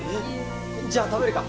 じゃあ食べるか！